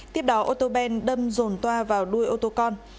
tiếp đó ô tô ben đâm dồn toa vào đuôi ô tô con